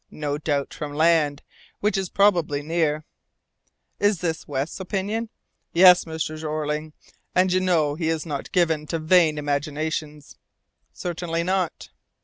No doubt from land, which is probably near." "Is this West's opinion?" "Yes, Mr. Jeorling, and you know he is not given to vain imaginations." "Certainly not."